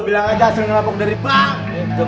bilang aja sering ngerabok dari bank